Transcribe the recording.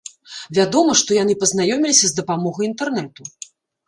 Вядома, што яны пазнаёміліся з дапамогай інтэрнэту.